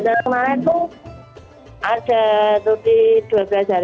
ya sebelum ramadan kemarin tuh ada tuti dua belas jari